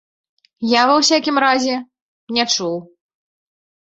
Я, ва ўсякім разе, не чуў.